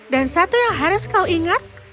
dan satu yang harus kau ingat